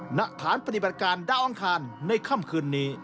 ณฐานปฏิบัติการดาวอังคารในค่ำคืนนี้